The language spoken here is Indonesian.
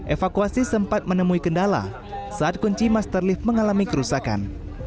evakuasi sempat menemui kendala saat kunci master lift mengalami kerusakan